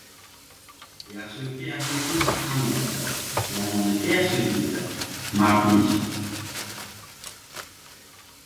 • Yaxshilikka yaxshilikni hamma qaytaradi, yomonlikka yaxshilik esa ― mardning ishi.